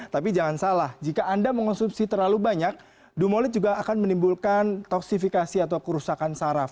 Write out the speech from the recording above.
tapi jangan salah jika anda mengonsumsi terlalu banyak dumolit juga akan menimbulkan toksifikasi atau kerusakan saraf